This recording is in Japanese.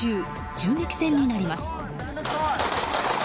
銃撃戦になります。